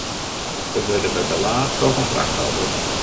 We wurde begelaat troch in frachtauto.